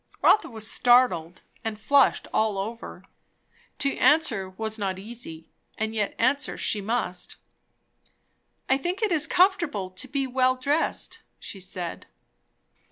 Rotha was startled, and flushed all over. To answer was not easy; and yet answer she must. "I think it is comfortable to be well dressed," she said.